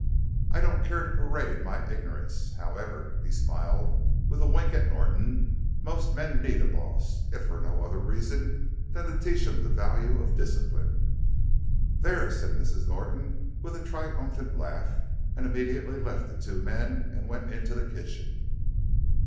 "I don't care to parade my ignorance. However," he smiled, with a wink at Norton, "most men need a boss, if for no other reason than to teach them the value of discipline." "There!" said Mrs. Norton with a triumphant laugh, and immediately left the two men and went into the kitchen.